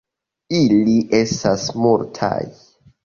Ili estas multaj.